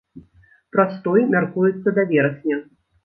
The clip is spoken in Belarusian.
Прастой мяркуецца да верасня.